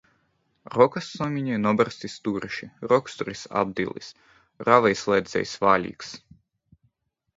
Rokassomiņai noberzti stūrīši, rokturis apdilis, rāvējslēdzējs vaļīgs.